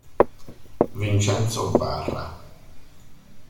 Vincenzo Barra